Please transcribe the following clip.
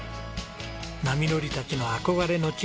波乗りたちの憧れの地